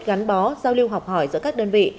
gắn bó giao lưu học hỏi giữa các đơn vị